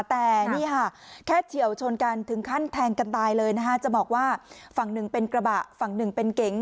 แต่นี่ค่ะแค่เฉียวชนกันถึงขั้นแทงกันตายเลยนะคะจะบอกว่าฝั่งหนึ่งเป็นกระบะฝั่งหนึ่งเป็นเก๋ง